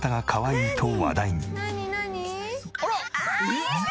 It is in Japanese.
かわいい。